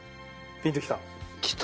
ピンときた。